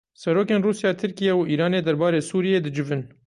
Serokên Rusya, Tirkiye û Îranê derbarê Sûriyê dicivin.